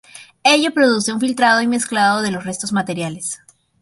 Ello produce un filtrado y mezclado de los restos materiales.